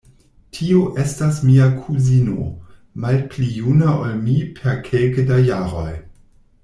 Tio estas mia kuzino, malpli juna ol mi per kelke da jaroj.